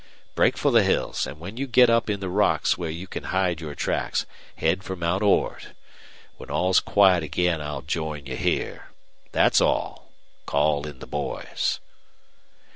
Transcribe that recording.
Break for the hills, and when you get up in the rocks where you can hide your tracks head for Mount Ord. When all's quiet again I'll join you here. That's all. Call in the boys."